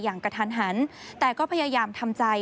อย่างกะทานหันแต่ก็พยายามทำใจ